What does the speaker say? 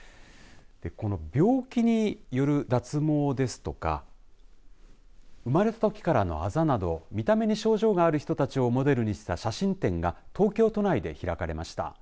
この病気による脱毛ですとか生まれたときからのあざなど見た目に症状がある人たちをモデルにした写真展が東京都内で開かれました。